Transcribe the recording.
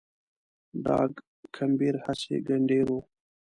ډاګ کمبېر هسي ګنډېر و